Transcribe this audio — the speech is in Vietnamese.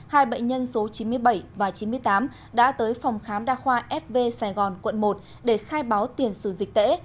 hai bệnh nhân số chín mươi bảy và chín mươi tám đã tới phòng khám đa khoa fv sài gòn quận một để khai báo tiền sử dịch tễ